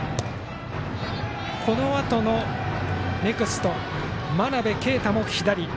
このあとのネクスト、真鍋慧も左。